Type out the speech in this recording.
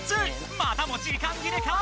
またも時間切れか？